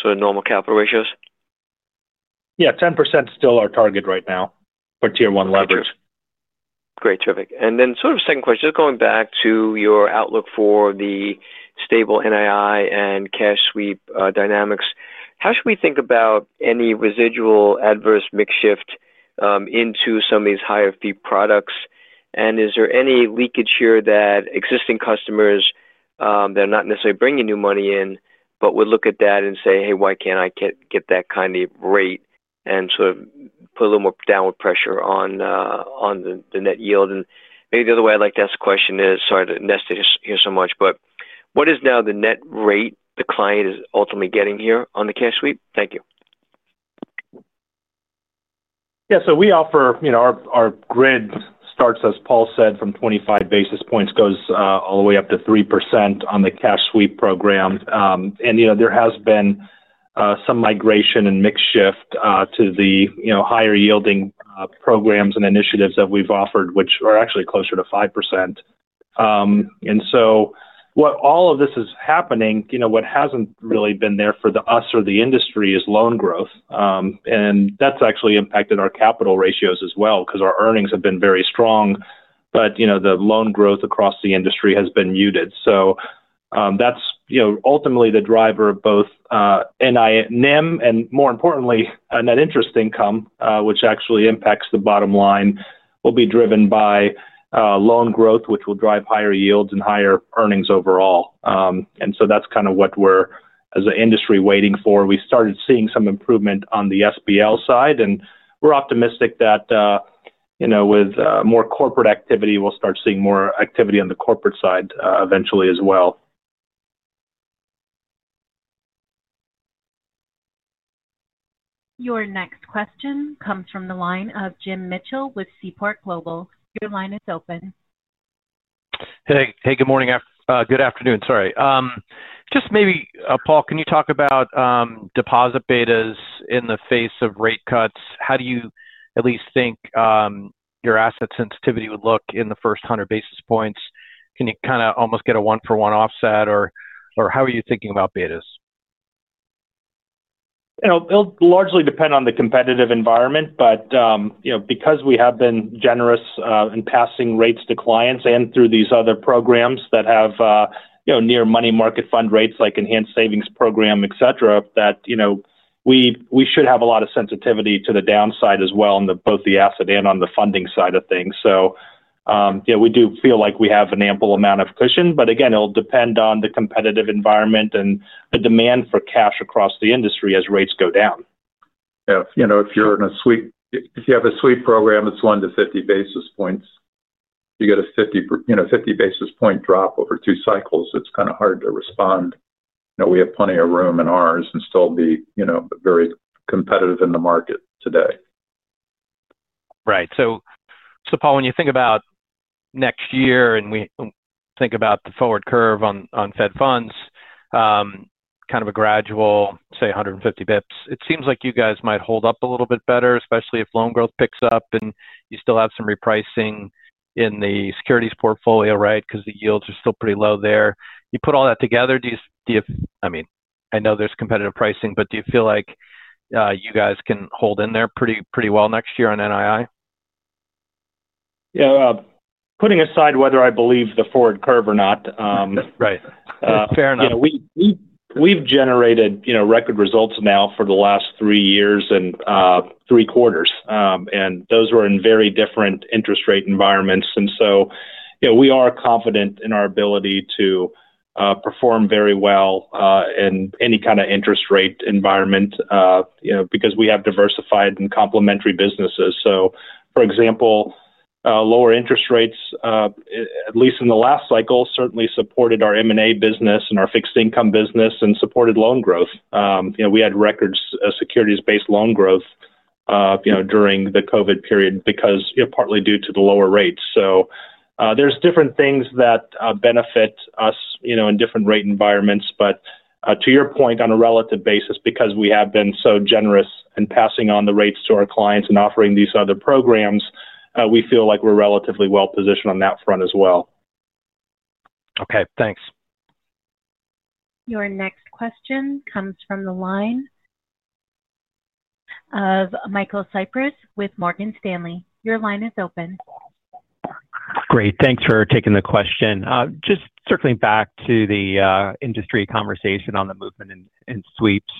sort of normal capital ratios? Yeah. 10% is still our target right now for Tier 1 leverage. Okay. Great. Terrific. And then sort of second question, just going back to your outlook for the stable NII and cash sweep dynamics, how should we think about any residual adverse mix shift into some of these higher fee products? Is there any leakage here that existing customers that are not necessarily bringing new money in, but would look at that and say, "Hey, why can't I get that kind of rate?" And sort of put a little more downward pressure on the net yield? Maybe the other way I'd like to ask the question is, sorry to nest it here so much, but what is now the net rate the client is ultimately getting here on the cash sweep? Thank you. Yeah. So we offer our grid starts, as Paul said, from 25 basis points, goes all the way up to 3% on the cash sweep program. And there has been some migration and mix shift to the higher yielding programs and initiatives that we've offered, which are actually closer to 5%. So while all of this is happening, what hasn't really been there for us or the industry is loan growth. And that's actually impacted our capital ratios as well because our earnings have been very strong. But the loan growth across the industry has been muted. So that's ultimately the driver of both NII and NIM, and more importantly, net interest income, which actually impacts the bottom line, will be driven by loan growth, which will drive higher yields and higher earnings overall. And so that's kind of what we're, as an industry, waiting for. We started seeing some improvement on the SBL side. We're optimistic that with more corporate activity, we'll start seeing more activity on the corporate side eventually as well. Your next question comes from the line of Jim Mitchell with Seaport Global. Your line is open. Hey. Hey. Good morning. Good afternoon. Sorry. Just maybe, Paul, can you talk about deposit betas in the face of rate cuts? How do you at least think your asset sensitivity would look in the first 100 basis points? Can you kind of almost get a 1-for-1 offset? Or how are you thinking about betas? It'll largely depend on the competitive environment. But because we have been generous in passing rates to clients and through these other programs that have near money market fund rates like Enhanced Savings Program, etc., that we should have a lot of sensitivity to the downside as well on both the asset and on the funding side of things. So yeah, we do feel like we have an ample amount of cushion. But again, it'll depend on the competitive environment and the demand for cash across the industry as rates go down. Yeah. If you're in a sweep, if you have a sweep program that's 1-50 basis points, you get a 50 basis point drop over two cycles, it's kind of hard to respond. We have plenty of room in ours and still be very competitive in the market today. Right. So Paul, when you think about next year and we think about the forward curve on Fed funds, kind of a gradual, say, 150 basis points, it seems like you guys might hold up a little bit better, especially if loan growth picks up and you still have some repricing in the securities portfolio, right, because the yields are still pretty low there. You put all that together, I mean, I know there's competitive pricing, but do you feel like you guys can hold in there pretty well next year on NII? Yeah. Putting aside whether I believe the forward curve or not. Right. Fair enough. We've generated record results now for the last three years and three quarters. Those were in very different interest rate environments. We are confident in our ability to perform very well in any kind of interest rate environment because we have diversified and complementary businesses. For example, lower interest rates, at least in the last cycle, certainly supported our M&A business and our fixed income business and supported loan growth. We had records of securities-based loan growth during the COVID period partly due to the lower rates. There's different things that benefit us in different rate environments. To your point, on a relative basis, because we have been so generous in passing on the rates to our clients and offering these other programs, we feel like we're relatively well positioned on that front as well. Okay. Thanks. Your next question comes from the line of Michael Cyprys with Morgan Stanley. Your line is open. Great. Thanks for taking the question. Just circling back to the industry conversation on the movement and sweeps,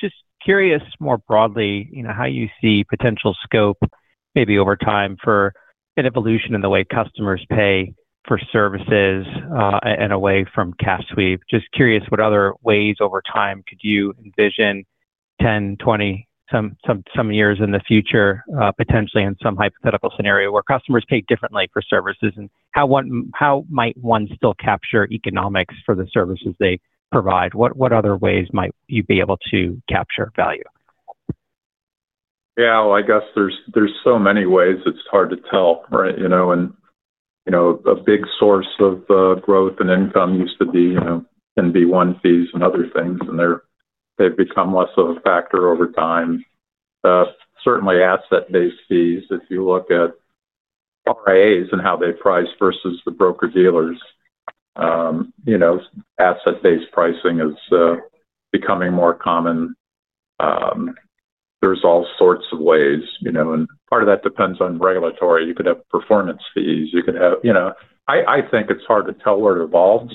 just curious more broadly how you see potential scope maybe over time for an evolution in the way customers pay for services and away from cash sweep? Just curious what other ways over time could you envision 10, 20, some years in the future, potentially in some hypothetical scenario where customers pay differently for services and how might one still capture economics for the services they provide? What other ways might you be able to capture value? Yeah. Well, I guess there's so many ways. It's hard to tell, right? And a big source of growth and income used to be NB1 fees and other things. And they've become less of a factor over time. Certainly, asset-based fees, if you look at RIAs and how they price versus the broker-dealers, asset-based pricing is becoming more common. There's all sorts of ways. And part of that depends on regulatory. You could have performance fees. You could have. I think it's hard to tell where it evolves.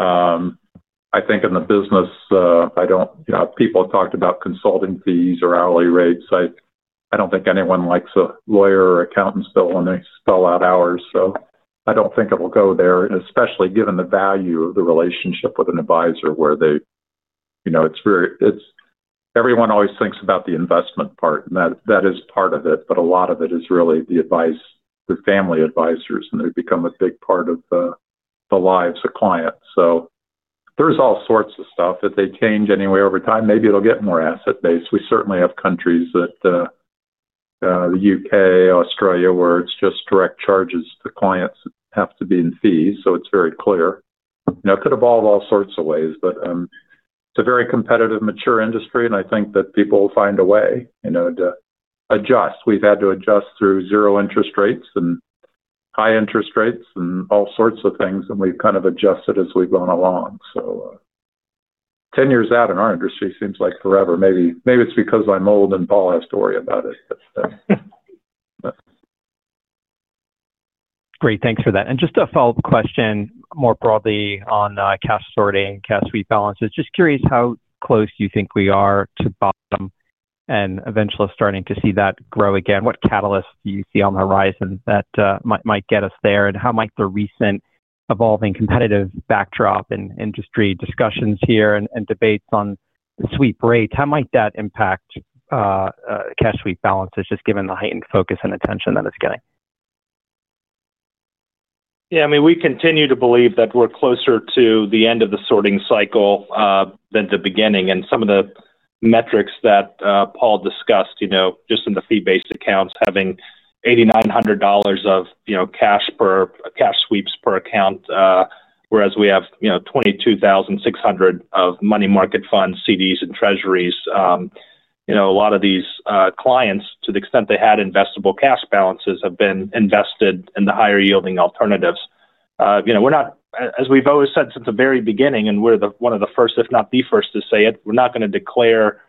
I think in the business, I don't people have talked about consulting fees or hourly rates. I don't think anyone likes a lawyer or accountant still when they spell out hours. So I don't think it will go there, especially given the value of the relationship with an advisor where it's very everyone always thinks about the investment part. And that is part of it. But a lot of it is really the advice through family advisors. And they've become a big part of the lives of clients. So there's all sorts of stuff. If they change any way over time, maybe it'll get more asset-based. We certainly have countries that the UK, Australia, where it's just direct charges to clients have to be in fees. So it's very clear. It could evolve all sorts of ways. But it's a very competitive, mature industry. And I think that people will find a way to adjust. We've had to adjust through zero interest rates and high interest rates and all sorts of things. And we've kind of adjusted as we've gone along. So 10 years out in our industry seems like forever. Maybe it's because I'm old and Paul has to worry about it. Great. Thanks for that. And just a follow-up question more broadly on cash sorting, cash sweep balances. Just curious how close do you think we are to bottom and eventually starting to see that grow again? What catalysts do you see on the horizon that might get us there? And how might the recent evolving competitive backdrop and industry discussions here and debates on the sweep rate, how might that impact cash sweep balances just given the heightened focus and attention that it's getting? Yeah. I mean, we continue to believe that we're closer to the end of the sorting cycle than the beginning. Some of the metrics that Paul discussed just in the fee-based accounts having $8,900 of cash sweeps per account, whereas we have $22,600 of money market funds, CDs, and treasuries. A lot of these clients, to the extent they had investable cash balances, have been invested in the higher yielding alternatives. As we've always said since the very beginning, and we're one of the first, if not the first, to say it, we're not going to declare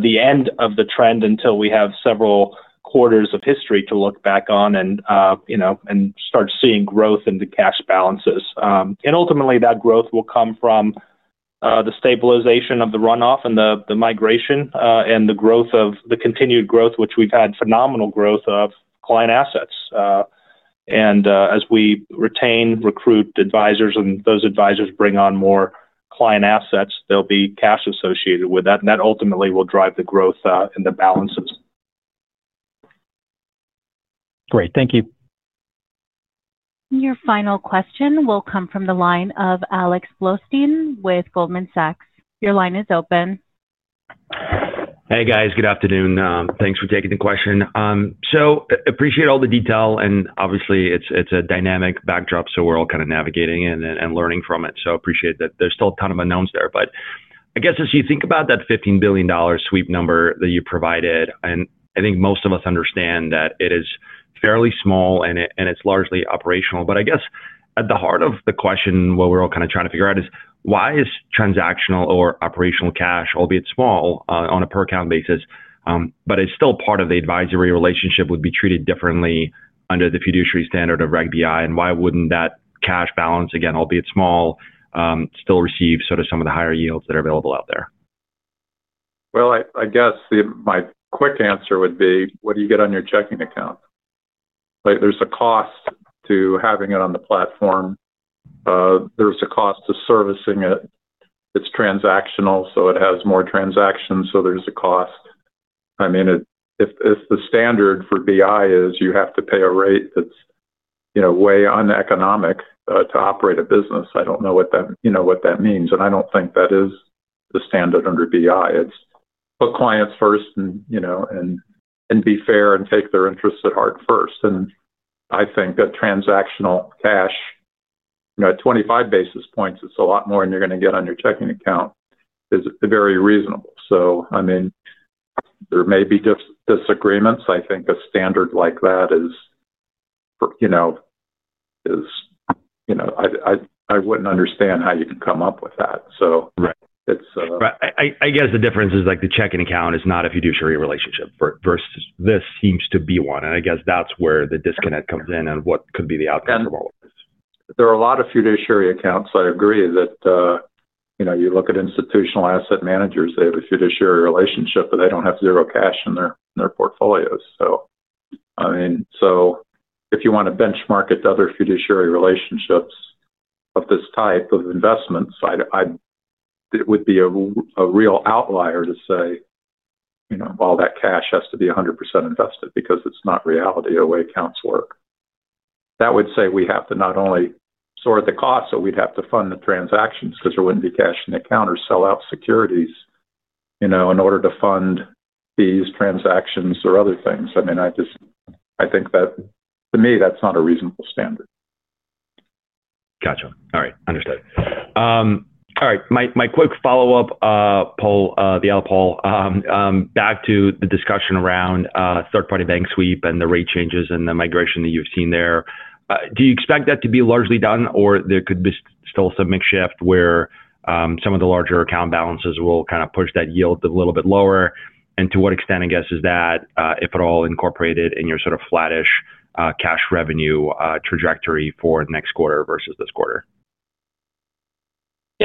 the end of the trend until we have several quarters of history to look back on and start seeing growth in the cash balances. Ultimately, that growth will come from the stabilization of the runoff and the migration and the growth of the continued growth, which we've had phenomenal growth of client assets. As we retain, recruit advisors, and those advisors bring on more client assets, there'll be cash associated with that. That ultimately will drive the growth in the balances. Great. Thank you. Your final question will come from the line of Alex Blostein with Goldman Sachs. Your line is open. Hey, guys. Good afternoon. Thanks for taking the question. So appreciate all the detail. And obviously, it's a dynamic backdrop. So we're all kind of navigating it and learning from it. So appreciate that there's still a ton of unknowns there. But I guess as you think about that $15 billion sweep number that you provided, and I think most of us understand that it is fairly small and it's largely operational. But I guess at the heart of the question, what we're all kind of trying to figure out is why is transactional or operational cash, albeit small on a per-account basis, but is still part of the advisory relationship, would be treated differently under the fiduciary standard of Reg BI? And why wouldn't that cash balance, again, albeit small, still receive sort of some of the higher yields that are available out there? Well, I guess my quick answer would be, what do you get on your checking account? There's a cost to having it on the platform. There's a cost to servicing it. It's transactional. So it has more transactions. So there's a cost. I mean, if the standard for BI is you have to pay a rate that's way uneconomic to operate a business, I don't know what that means. I don't think that is the standard under BI. It's put clients first and be fair and take their interest at heart first. And I think that transactional cash at 25 basis points, it's a lot more than you're going to get on your checking account. It's very reasonable. So I mean, there may be disagreements. I think a standard like that is I wouldn't understand how you can come up with that. So it's. Right. I guess the difference is the checking account is not a fiduciary relationship versus this seems to be one. I guess that's where the disconnect comes in and what could be the outcome from all of this. There are a lot of fiduciary accounts. I agree that you look at institutional asset managers, they have a fiduciary relationship, but they don't have zero cash in their portfolios. So I mean, so if you want to benchmark it to other fiduciary relationships of this type of investments, it would be a real outlier to say, "Well, that cash has to be 100% invested because it's not reality the way accounts work." That would say we have to not only sort the costs, but we'd have to fund the transactions because there wouldn't be cash in the account or sell out securities in order to fund these transactions or other things. I mean, I think that to me, that's not a reasonable standard. Gotcha. All right. Understood. All right. My quick follow-up, Paul, the other Paul, back to the discussion around third-party bank sweep and the rate changes and the migration that you've seen there. Do you expect that to be largely done or there could be still some migration where some of the larger account balances will kind of push that yield a little bit lower? And to what extent, I guess, is that, if at all, incorporated in your sort of flattish cash revenue trajectory for next quarter versus this quarter? Yeah.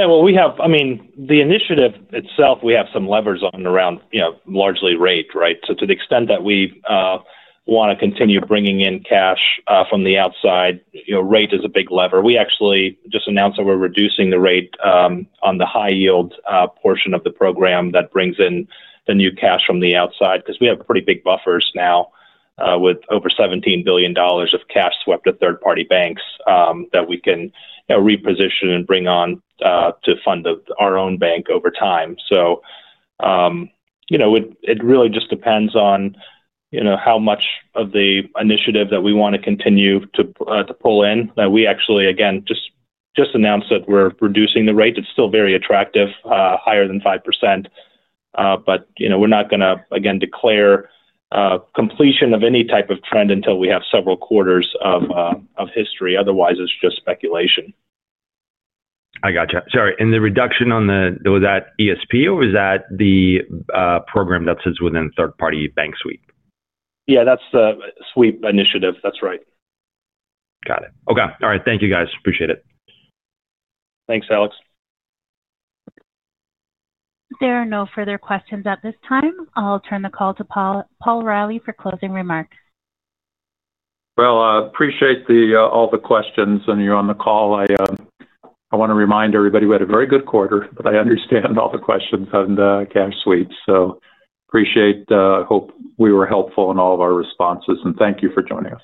Well, I mean, the initiative itself, we have some levers on around largely rate, right? So to the extent that we want to continue bringing in cash from the outside, rate is a big lever. We actually just announced that we're reducing the rate on the high-yield portion of the program that brings in the new cash from the outside because we have pretty big buffers now with over $17 billion of cash swept to third-party banks that we can reposition and bring on to fund our own bank over time. So it really just depends on how much of the initiative that we want to continue to pull in. We actually, again, just announced that we're reducing the rate. It's still very attractive, higher than 5%. But we're not going to, again, declare completion of any type of trend until we have several quarters of history. Otherwise, it's just speculation. I gotcha. Sorry. And the reduction on the was that ESP or was that the program that sits within third-party bank sweep? Yeah. That's the sweep initiative. That's right. Got it. Okay. All right. Thank you, guys. Appreciate it. Thanks, Alex. There are no further questions at this time. I'll turn the call to Paul Reilly for closing remarks. Well, appreciate all the questions. You're on the call. I want to remind everybody we had a very good quarter, but I understand all the questions on the cash sweep. So appreciate. I hope we were helpful in all of our responses. Thank you for joining us.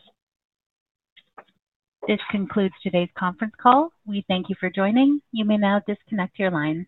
This concludes today's conference call. We thank you for joining. You may now disconnect your lines.